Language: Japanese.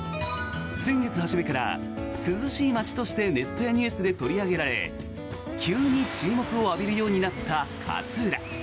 先月初めから涼しい街としてネットやニュースで取り上げられ急に注目を浴びるようになった勝浦。